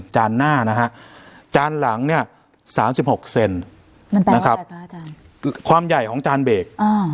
จานหน้านะฮะจานหลังเนี่ย๓๖เซนนะครับความใหญ่ของจานเบรก